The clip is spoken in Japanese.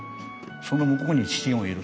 その向こうに父がいる。